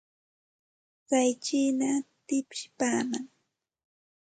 Tsay chiina tipsipaamanmi.